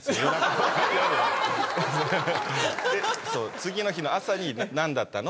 次の日の朝に何だったの？